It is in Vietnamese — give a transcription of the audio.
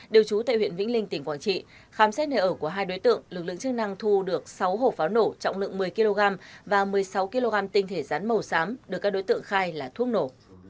được sáu hộp pháo nổ trọng lượng một mươi kg và một mươi sáu kg tinh thể rán màu xám được các đối tượng khai là thuốc nổ